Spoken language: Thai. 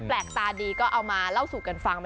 แปลกตาดีก็เอามาเล่าสู่กันฟัง